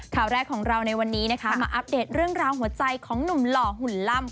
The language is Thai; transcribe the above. ข่าวแรกของเราในวันนี้นะคะมาอัปเดตเรื่องราวหัวใจของหนุ่มหล่อหุ่นล่ำ